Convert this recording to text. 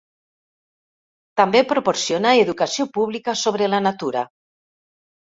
També proporciona educació pública sobre la natura.